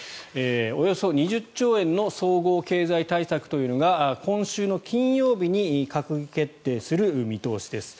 およそ２０兆円の総合経済対策というのが今週の金曜日に閣議決定する見通しです。